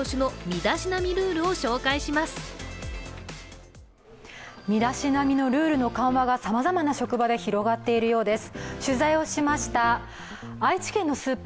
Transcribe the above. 身だしなみのルールの緩和がさまざまな職場で広がっているようです。